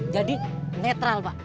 jadi netral pak